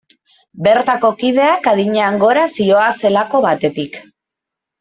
Bertako kideak adinean gora zihoazelako, batetik.